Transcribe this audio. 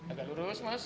agak lurus mas